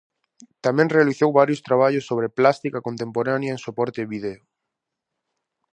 Tamén realizou varios traballos sobre plástica contemporánea en soporte vídeo.